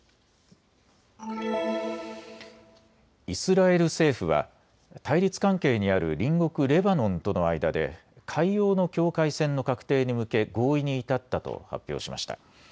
イスラエル政府は対立関係にある隣国レバノンとの間で海洋の境界線の画定に向け合意に至ったと発表しました。